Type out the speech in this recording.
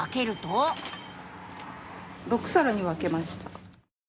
・６さらに分けました。